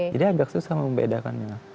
jadi agak susah membedakannya